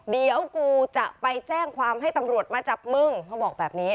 เดี๋ยวกูจะไปแจ้งความให้ตำรวจมาจับมึงเขาบอกแบบนี้